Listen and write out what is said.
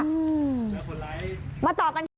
มาต่อกัน